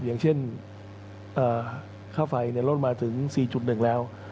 อย่างเช่นค่าไฟลดมาถึง๔๑แล้ว